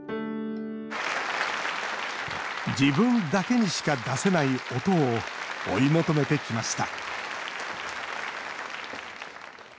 自分だけにしか出せない音を追い求めてきました